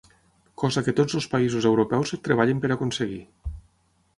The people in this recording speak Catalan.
Cosa que tots els països europeus treballen per aconseguir.